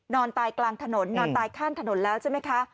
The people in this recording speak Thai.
นอนตายกลางถนนนอนตายข้างถนนแล้วใช่ไหมคะ